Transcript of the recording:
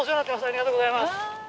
ありがとうございます。